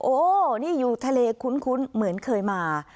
โอ้นี่อยู่ทะเลคุ้นเหมือนเคยมา